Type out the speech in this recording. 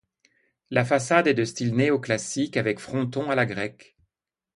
La façade est de style néoclassique avec fronton à la grecque.